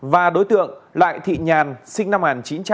và đối tượng lại thị nhàn sinh năm một nghìn chín trăm năm mươi tám